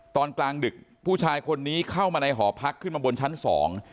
ตอนกลางดึกผู้ชายคนนี้เข้ามาในหอพักขึ้นมาบนชั้นสอง